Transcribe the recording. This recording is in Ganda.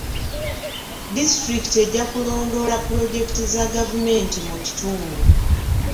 Disitulikiti ejja kulondoola pulojekiti za gavumenti mu kitundu.